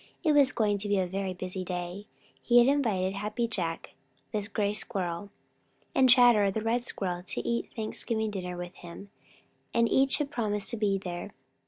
It was going to be a very busy day. He had invited Happy Jack the Gray Squirrel, and Chatterer the Red Squirrel, to eat Thanksgiving dinner with him, and each had promised to be there.